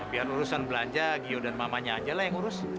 biar urusan belanja gio dan mamanya aja lah yang urus